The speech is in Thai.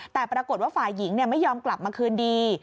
แต่ปรากฏว่าฝ่ายหญิงไม่ยอมกลับมาคืนดี